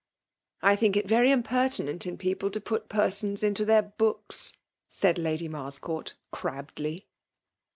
'^ I think, it very impertinent in people to put ; persons into their books !*' said Lady IM^firscpurt crabbedly.